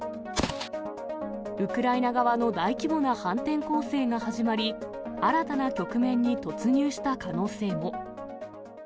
ウクライナ側の大規模な反転攻勢が始まり、新たな局面に突入した可能性も。